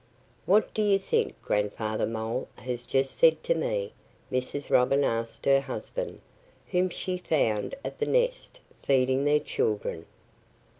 "What do you think Grandfather Mole has just said to me?" Mrs. Robin asked her husband, whom she found at the nest feeding their children.